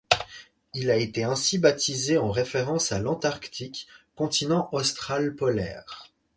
Il a été ainsi baptisé en référence à l'Antarctique, continent austral polaire.